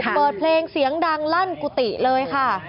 เปิดเพลงเสียงดังลั่นกุฏิเลยค่ะ